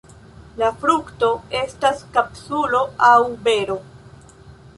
La frukto estas kapsulo aŭ bero.